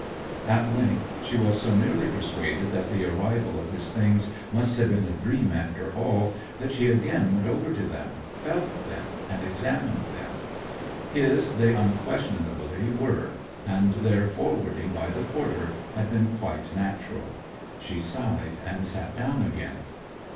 At length she was so nearly persuaded that the arrival of his things must have been a dream after all, that she again went over to them, felt them, and examined them. His they unquestionably were; and their forwarding by the porter had been quite natural. She sighed and sat down again.